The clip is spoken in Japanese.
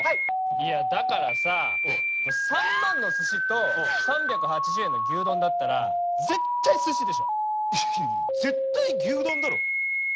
いやだからさ３万円のすしと３８０円の牛丼だったら絶対すしでしょ！いやいや絶対牛丼だろ。